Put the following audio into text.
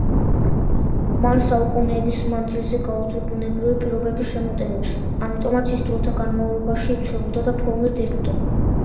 მან საუკენეების მანძილზე გაუძლო ბუნებრივი პირობების შემოტევებს, ამიტომაც ის დროთა განმავლობაში იცვლებოდა და ფორმირდებოდა.